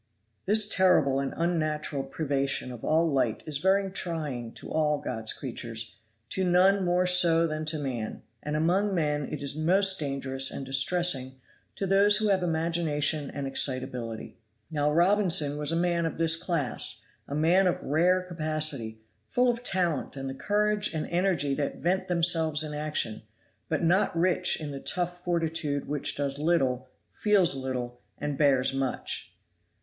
This terrible and unnatural privation of all light is very trying to all God's creatures, to none more so than to man, and among men it is most dangerous and distressing to those who have imagination and excitability. Now Robinson was a man of this class, a man of rare capacity, full of talent and the courage and energy that vent themselves in action, but not rich in the tough fortitude which does little, feels little and bears much.